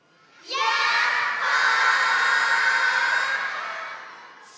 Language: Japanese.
やっほー！